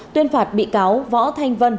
tuyên phạt bị cáo võ thanh vân